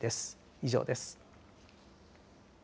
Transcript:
以上です。